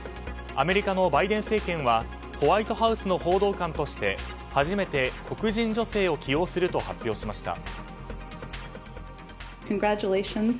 アメリカのバイデン政権はホワイトハウスの報道官として初めて黒人女性を起用すると発表しました。